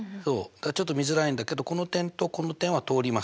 ちょっと見づらいんだけどこの点とこの点は通ります。